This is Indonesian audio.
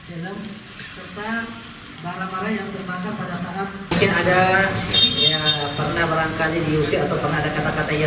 ini bukan dendam dalam keluarga ini persoalan keluarga